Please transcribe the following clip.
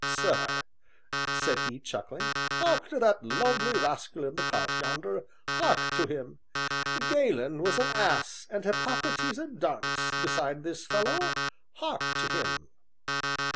"Sir," said he, chuckling, "hark to that lovely rascal in the cart, yonder hark to him; Galen was an ass and Hippocrates a dunce beside this fellow hark to him."